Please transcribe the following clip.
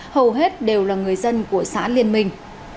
hầu hết đều là người dân của xã liên minh